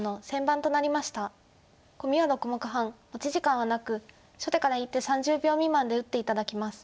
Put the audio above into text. コミは６目半持ち時間はなく初手から１手３０秒未満で打って頂きます。